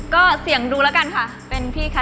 ก็เสี่ยงดูแล้วกันค่ะ